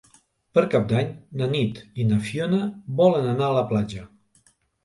Per Cap d'Any na Nit i na Fiona volen anar a la platja.